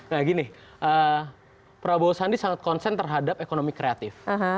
nah gini prabowo sandi sangat konsen terhadap ekonomi kreatif